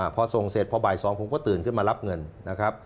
พอส่งเสร็จพอบ่าย๒ผมก็ตื่นขึ้นมารับเงินนะครับ